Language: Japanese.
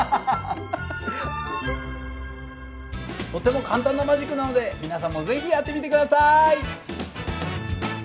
とても簡単なマジックなので皆さんも是非やってみて下さい！